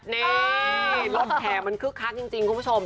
นี่รถแห่มันคึกคักจริงคุณผู้ชม